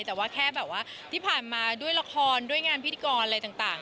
แต่ว่าแค่แบบว่าที่ผ่านมาด้วยละครด้วยงานพิธีกรอะไรต่าง